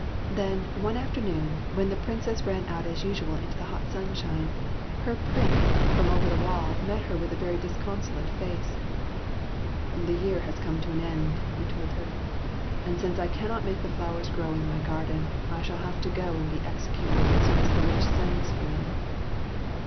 Then, one afternoon, when the Princess ran out as usual into the hot sunshine, her Prince from 6 82 SOMEBODY ELSE'S PRINCE over the wall met her with a very disconsolate face. '' The year has come to an end/' he told her, " and since I cannot make the flowers grow in my garden, I shall have to go and be executed as soon as the Witch sends for me."